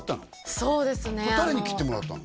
そうですねあの誰に切ってもらったの？